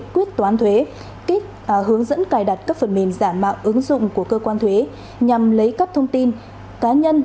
cơ quan thuế kết hướng dẫn cài đặt các phần mềm giả mạo ứng dụng của cơ quan thuế nhằm lấy các thông tin cá nhân